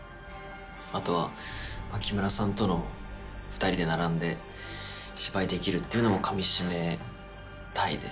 あとは木村さんと２人で並んで芝居できるっていうのもかみしめたいですし。